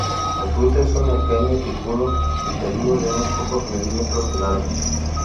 El fruto es un aquenio picudo y peludo de unos pocos milímetros de largo.